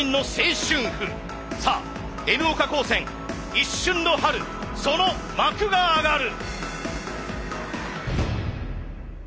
さあＮ岡高専一瞬の春その幕が上がる。